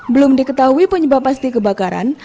belum diketahui penyebab pasti kebakaran